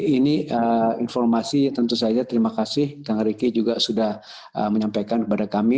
ini informasi tentu saja terima kasih kang ricky juga sudah menyampaikan kepada kami